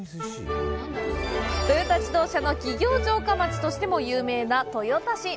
トヨタ自動車の企業城下町としても有名な豊田市。